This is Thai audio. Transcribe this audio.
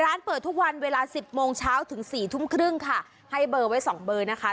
ร้านเปิดทุกวันเวลาสิบโมงเช้าถึงสี่ทุ่มครึ่งค่ะให้เบอร์ไว้สองเบอร์นะคะ